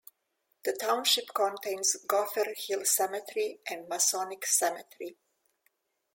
The township contains Gopher Hill Cemetery and Masonic Cemetery.